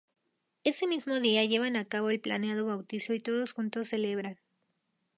Ese mismo día llevan a cabo el planeado bautizo y todos juntos celebran.